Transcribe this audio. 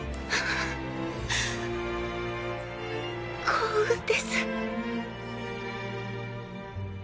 幸運です。